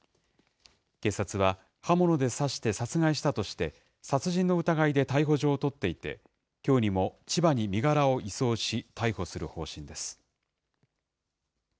警察は、刃物で刺して殺害したとして殺人の疑いで逮捕状を取っていて、きょうにも千葉に身柄を移送し、逮捕する方針です。